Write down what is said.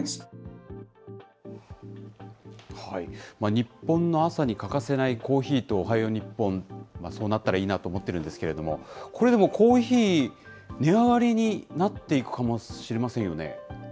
日本の朝に欠かせないコーヒーとおはよう日本、そうなったらいいなと思ってるんですけれども、でも、コーヒー、値上がりになっていくかもしれませんよね。